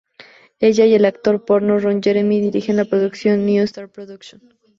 Ella y el actor porno Ron Jeremy dirigen la productora New Star Productions.